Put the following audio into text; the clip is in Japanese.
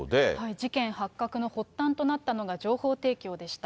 事件発覚の発端となったのが、情報提供でした。